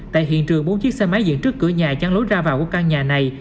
tại hiện trường bốn chiếc xe máy diện trước cửa nhà chắn lối ra vào của ca nhà này